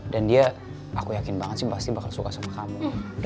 dan dia aku yakin banget sih pasti bakal suka sama kamu